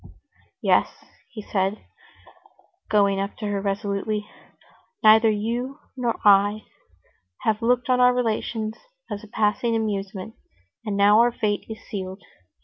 "Yes," he said, going up to her resolutely. "Neither you nor I have looked on our relations as a passing amusement, and now our fate is sealed.